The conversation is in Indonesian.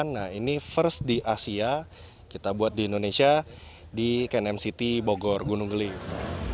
nah ini first di asia kita buat di indonesia di canm city bogor gunung gelis